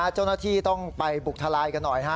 เจ้าหน้าที่ต้องไปบุกทลายกันหน่อย